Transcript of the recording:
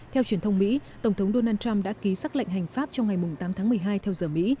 theo truyền thông mỹ tổng thống donald trump đã ký xác lệnh hành pháp trong ngày tám tháng một mươi hai theo giờ mỹ